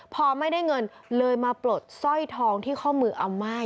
พอไม่ได้เงินเลยมาปลดสร้อยทองที่ข้อมืออาม่าย